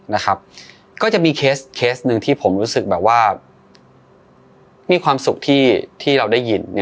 นะครับก็จะมีเคสหนึ่งที่ผมรู้สึกแบบว่ามีความสุขที่เราได้ยิน